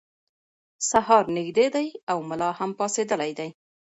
سهار نږدې دی او ملا هم پاڅېدلی دی.